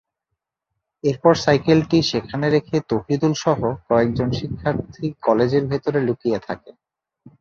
এরপর সাইকেলটি সেখানে রেখে তৌহিদুলসহ কয়েকজন শিক্ষার্থী কলেজের ভেতরে লুকিয়ে থাকে।